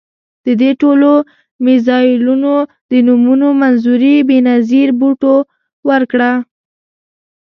د دې ټولو میزایلونو د نومونو منظوري بېنظیر بوټو ورکړه.